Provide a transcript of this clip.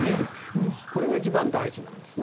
これが一番大事なんですね。